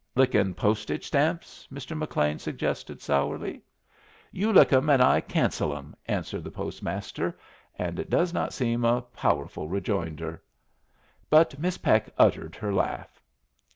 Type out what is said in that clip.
"Lickin' postage stamps," Mr. McLean suggested, sourly. "You lick them and I cancel them," answered the postmaster; and it does not seem a powerful rejoinder. But Miss Peck uttered her laugh.